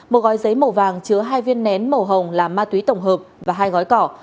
một gói giấy màu vàng chứa hai viên nén màu hồng là ma túy tổng hợp và hai gói cỏ